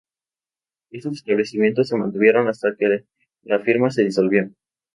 Estos establecimientos se mantuvieron hasta que la firma se disolvió.